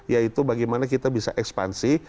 yaitu bagaimana kita bisa ekspansi